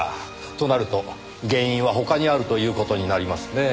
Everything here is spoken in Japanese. となると原因は他にあるという事になりますねぇ。